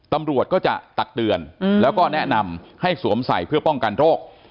ตำรวจก็จะตักเตือนแล้วก็แนะนำให้สวมใส่เพื่อป้องกันโรค